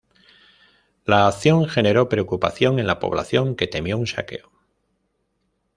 La acción generó preocupación en la población, que temió un saqueo.